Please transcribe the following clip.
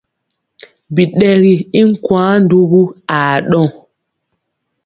Biɗɛgi i nkwaŋ ndugu aa ɗɔŋ.